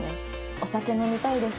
「お酒飲みたいです」